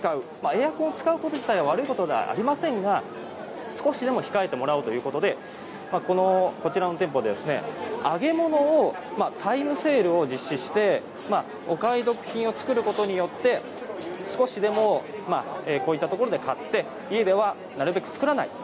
エアコンを使うこと自体悪いことではありませんが少しでも控えてもらおうということでこちらの店舗では揚げ物のタイムセールを実施してお買い得品を作ることによって少しでもこういったところで買って家ではなるべく作らない。